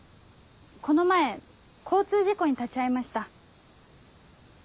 この前交通事故に立ち会いました。